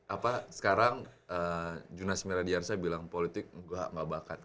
apa sekarang juna semiradiarsa bilang politik engga engga bakat